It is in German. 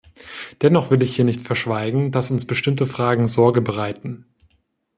Dennoch will ich hier nicht verschweigen, dass uns bestimmte Fragen Sorge bereiten.